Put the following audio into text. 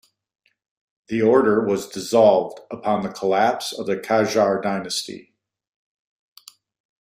The Order was dissolved upon the collapse of the Qajar dynasty.